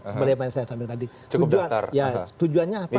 sebelumnya saya sambil tadi tujuannya apa sih